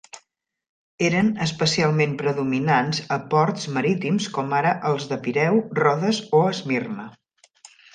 Eren especialment predominants a ports marítims com ara els del Pireu, Rodes o Esmirna.